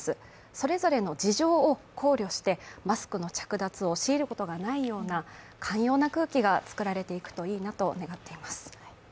それぞれの事情を考慮して、マスクの着脱を強いることがないような寛容な空気が作られていくといいなと願っています。